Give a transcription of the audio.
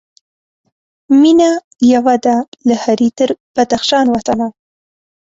مېنه یوه ده له هري تر بدخشان وطنه